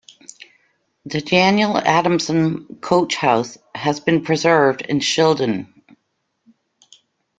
The Daniel Adamson Coach House has been preserved in Shildon.